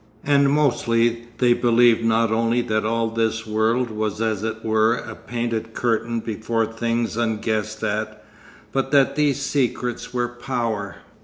And mostly they believed not only that all this world was as it were a painted curtain before things unguessed at, but that these secrets were Power.